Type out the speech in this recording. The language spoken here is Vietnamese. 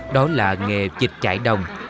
đó là nghề trịch trại đồng